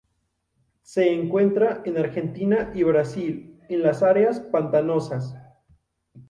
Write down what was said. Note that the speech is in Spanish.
Se encuentra en Argentina y Brasil en las áreas pantanosas.